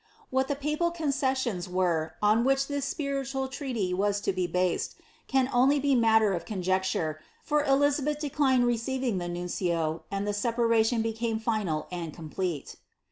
What the papal concessions were, on which this spiritual treaty waa to ba boao], can only be matter of conjecture, for Elizabeth declined receiving the nuncio, and the separation became final and complete.